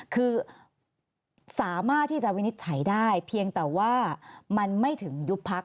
คือสามารถที่จะวินิจฉัยได้เพียงแต่ว่ามันไม่ถึงยุบพัก